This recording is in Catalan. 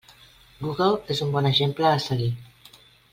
Google és un bon exemple a seguir.